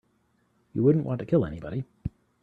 You wouldn't want to kill anybody.